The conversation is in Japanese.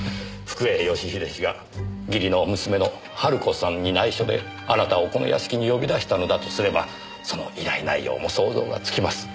福栄義英氏が義理の娘の晴子さんに内緒であなたをこの屋敷に呼び出したのだとすればその依頼内容も想像がつきます。